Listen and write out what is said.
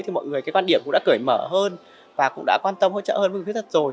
thì mọi người cái quan điểm cũng đã cởi mở hơn và cũng đã quan tâm hỗ trợ hơn với người khuyết tật rồi